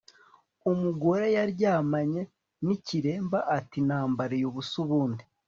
umugore yaryamanye n'ikiremba ati nambariye ubusa ubundi